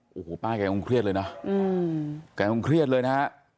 โอ้โหป้าแกคงเครียดเลยเนอะแกคงเครียดเลยนะฮะ